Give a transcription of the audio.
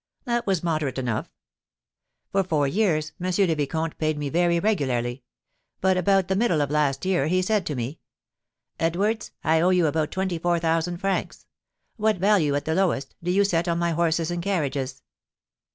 "That was moderate enough." "For four years M. le Vicomte paid me very regularly; but about the middle of last year he said to me, 'Edwards, I owe you about twenty four thousand francs. What value, at the lowest, do you set on my horses and carriages?'